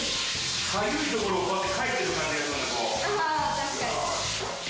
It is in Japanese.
あ確かに！